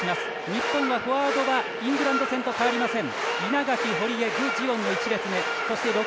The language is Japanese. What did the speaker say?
日本はフォアードはイングランド戦と変わりません。